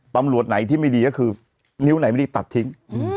ตำรวจไหนที่ไม่ดีก็คือนิ้วไหนไม่ดีตัดทิ้ง